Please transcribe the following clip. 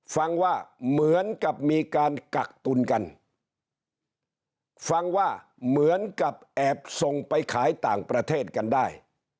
ฟังว่าเหมือนกับมีการกักตุลกันฟังว่าเหมือนกับแอบส่งไปขายต่างประเทศกันได้